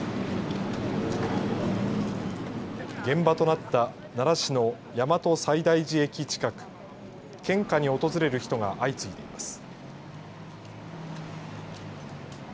現場となった、奈良市の大和西大寺駅近く献花に訪れる人が相次いでいます。